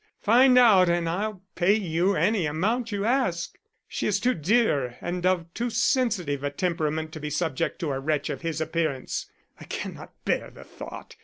Find out and I'll pay you any amount you ask. She is too dear and of too sensitive a temperament to be subject to a wretch of his appearance. I cannot bear the thought.